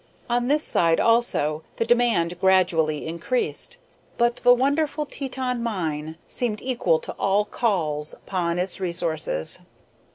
On this side, also, the demand gradually increased; but the wonderful Teton mine seemed equal to all calls upon its resources.